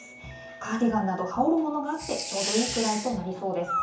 カーディガンなど、羽織るものがあってちょうどいいくらいとなりそうです。